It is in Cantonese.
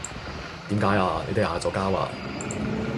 點解呀？你哋嗌咗交呀？